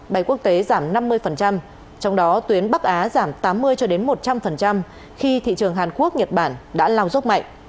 bay quốc tế giảm năm mươi trong đó tuyến bắc á giảm tám mươi một trăm linh khi thị trường hàn quốc nhật bản đã lao dốc mạnh